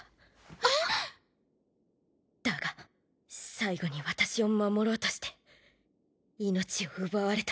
えっ⁉だが最後に私を守ろうとして命を奪われた。